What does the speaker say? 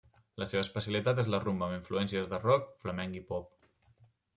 La seva especialitat és la rumba amb influències de rock, flamenc i pop.